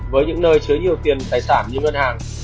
với những nơi chứa nhiều tiền tài sản như ngân hàng